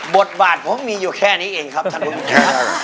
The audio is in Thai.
บทบาทผมมีอยู่แค่นี้เองครับท่านผู้ชมครับ